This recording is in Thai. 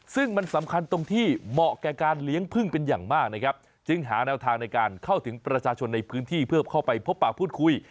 ซึ่งมันสำคัญตรงที่เหมาะแก่การเลี้ยงพึ่งเป็นอย่างมากนะครับจึงหาแนวทางในการเข้าถึงประชาชนในพื้นที่เพื่อเข้าไปพบปากพูดคุย